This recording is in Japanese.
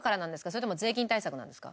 それとも税金対策なんですか？